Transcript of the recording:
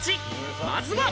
まずは。